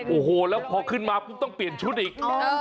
โอ้โหแล้วพอขึ้นมาปุ๊บต้องเปลี่ยนชุดอีก